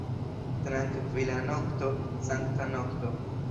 Trankvila nokto, sankta nokto!